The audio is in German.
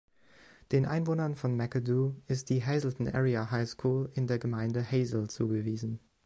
Den Einwohnern von McAdoo ist die Hazleton Area High School in der Gemeinde Hazle zugewiesen.